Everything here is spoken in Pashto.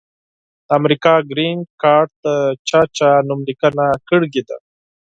د امریکا ګرین کارټ ته چا چا نوملیکنه کړي ده؟